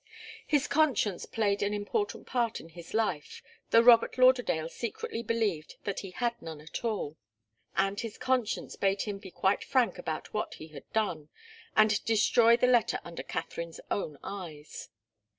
His conscience played an important part in his life, though Robert Lauderdale secretly believed that he had none at all; and his conscience bade him be quite frank about what he had done, and destroy the letter under Katharine's own eyes.